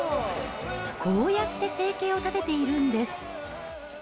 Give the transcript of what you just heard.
こうやって生計を立てているんです。